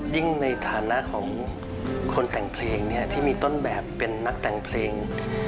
ในฐานะของคนแต่งเพลงที่มีต้นแบบเป็นนักแต่งเพลง